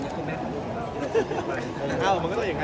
เพิ่งคุยกันเอง